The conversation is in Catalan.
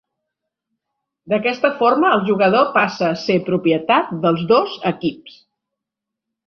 D'aquesta forma el jugador passa a ser propietat dels dos equips.